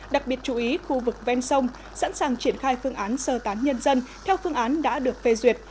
đặc biệt chú ý khu vực ven sông sẵn sàng triển khai phương án sơ tán nhân dân theo phương án đã được phê duyệt